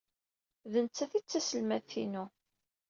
D nettat ay d taselmadt-inu.